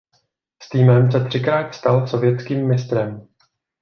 S týmem se třikrát stal sovětským mistrem.